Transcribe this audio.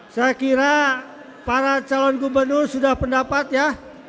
saya kira para calon gubernur sudah pendapat ya